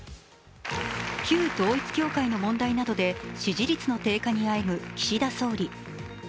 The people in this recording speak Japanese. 旧統一教会の問題などで支持率の低下にあえぐ岸田総理。